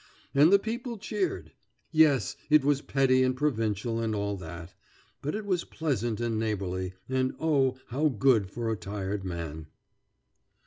And the people cheered. Yes! it was petty and provincial and all that. But it was pleasant and neighborly, and oh! how good for a tired man.